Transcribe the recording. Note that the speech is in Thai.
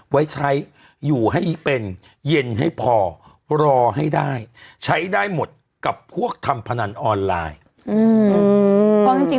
ไว้ใช้อยู่ให้เป็นเย็นให้พอรอให้ได้ใช้ได้หมดกับพวกทำพนันออนไลน์